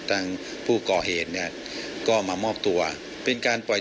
หากผู้ต้องหารายใดเป็นผู้กระทำจะแจ้งข้อหาเพื่อสรุปสำนวนต่อพนักงานอายการจังหวัดกรสินต่อไป